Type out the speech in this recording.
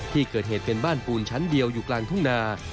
ที่เกิดเหตุเป็นบ้านปูนชั้นเดียวอยู่กลางทุ่งนา